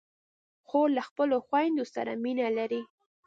خور له خپلو خویندو سره مینه لري.